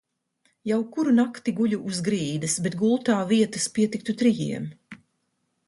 Jau kuru nakti guļu uz grīdas, bet gultā vietas pietiktu trijiem.